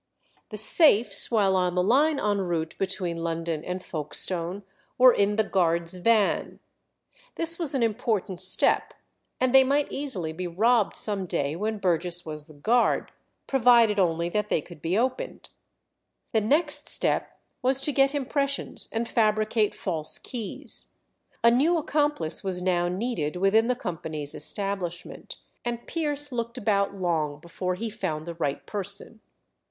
The safes while on the line en route between London and Folkestone were in the guard's van. This was an important step, and they might easily be robbed some day when Burgess was the guard, provided only that they could be opened. The next step was to get impressions and fabricate false keys. A new accomplice was now needed within the company's establishment, and Pierce looked about long before he found the right person.